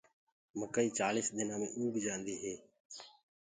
مڪآئي چآݪيس دنآ مي تيآر هوجآندي هي۔